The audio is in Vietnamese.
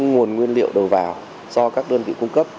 nguồn nguyên liệu đầu vào do các đơn vị cung cấp